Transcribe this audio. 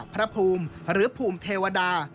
พระภูมิหรือภูมิเทวดา